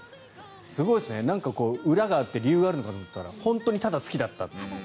すごいですね、裏があって理由があるのかと思ったら本当にただ好きだったという。